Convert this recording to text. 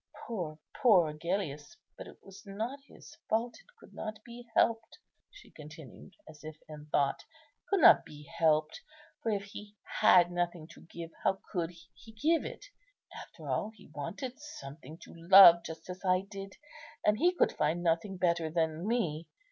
Poor, poor Agellius! but it was not his fault, it could not be helped," she continued, as if in thought; "it could not be helped; for, if he had nothing to give, how could he give it? After all, he wanted something to love, just as I did; and he could find nothing better than me....